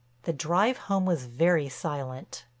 The drive home was very silent.